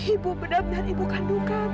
ibu benar benar ibu kandung kamu nak